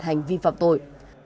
hành vi phạm tội